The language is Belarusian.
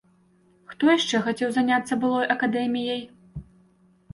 Хто яшчэ хацеў заняцца былой акадэміяй?